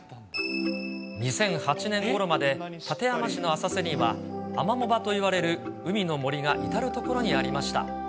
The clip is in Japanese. ２００８年ごろまで、館山市の浅瀬には、アマモ場といわれる海の森が至る所にありました。